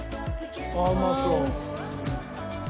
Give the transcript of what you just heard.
ああうまそう。